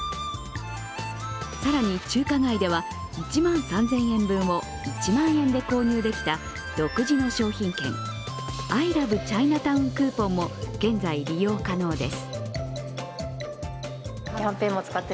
更に中華街では１万３０００円分を１万円で購入できた独自の商品券、アイラブチャイナタウンクーポンも現在、利用可能です。